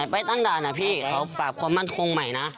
ไปตั้งด่านนะพี่เขาปราบความมั่นคงใหม่นะ